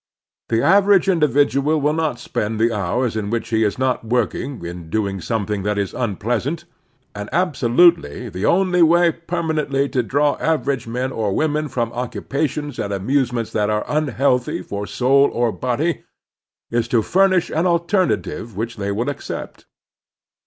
The average individual will not spend the hours in which he is not working in doing some Civic Helpfulness 99 thing that is unpleasant, and absolutely the only way permanently to draw average men or women from occupations and amusements that are un healthy for soul or body is to furnish an alternative which they will accept.